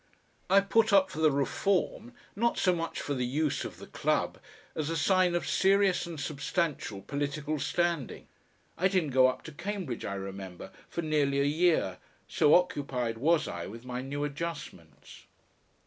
I put up for the Reform, not so much for the use of the club as a sign of serious and substantial political standing. I didn't go up to Cambridge, I remember, for nearly a year, so occupied was I with my new adjustments.